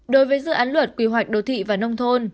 đối với dự án luật quy hoạch đô thị và nông thôn